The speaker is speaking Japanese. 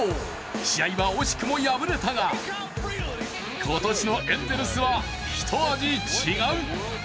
試合は惜しくも敗れたが今年のエンゼルスはひと味違う。